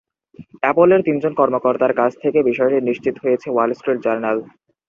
অ্যাপলের তিনজন কর্মকর্তার কাছ থেকে বিষয়টি নিশ্চিত হয়েছে ওয়াল স্ট্রিট জার্নাল।